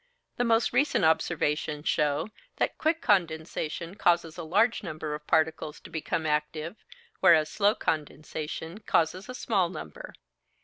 The most recent observations show that quick condensation causes a large number of particles to become active, whereas slow condensation causes a small number.